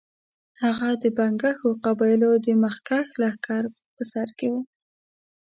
هغه د بنګښو قبایلو د مخکښ لښکر په سر کې وو.